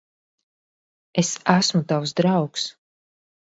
Es esmu tavs draugs.